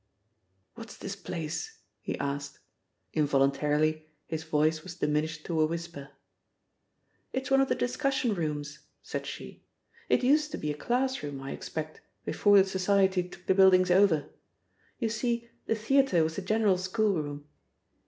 "What's this place?" he asked. Involuntarily his voice was diminished to a whisper. "It's one of the discussion rooms," said she. "It used to be a classroom, I expect, before the society took the buildings over. You see the theatre was the general schoolroom."